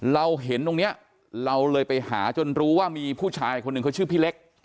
เราเห็นตรงนี้เราเลยไปหาจนรู้ว่ามีผู้ชายคนหนึ่งเขาชื่อพี่เล็ก